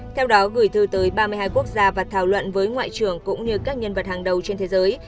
theo đó gửi thư tới ba mươi hai quốc gia và thảo luận với ngoại trưởng cũng như các nhân vật hàng đầu trên thế giới